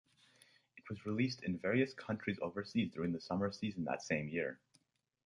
It was released in various countries overseas during the summer season that same year.